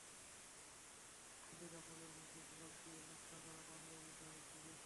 খাদি কাপড়ের মধ্যে ব্লক দিয়ে নকশা করা পাঞ্জাবির দাম একটু বেশি।